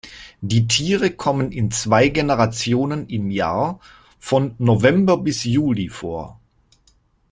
Die Tiere kommen in zwei Generationen im Jahr von November bis Juli vor.